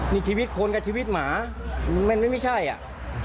นี่ชีวิตคนกับชีวิตหมามันไม่ใช่อ่ะ